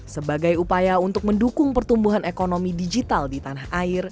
sebagai upaya untuk mendukung pertumbuhan ekonomi digital di tanah air